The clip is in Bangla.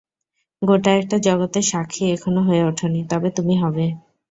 গোটা একটা জগতের সাক্ষী এখনো হয়ে ওঠোনি, তবে তুমি হবে।